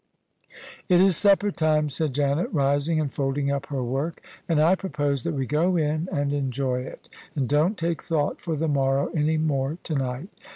" It is supper time," said Janet, rising and folding up her work :" and I propose that we go in and enjoy it, and don't take thought for the morrow any more to night.